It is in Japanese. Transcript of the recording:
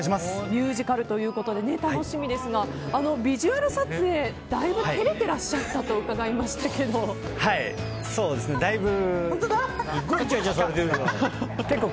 ミュージカルということで楽しみですがビジュアル撮影だいぶ照れていらっしゃったとそうですねだいぶ。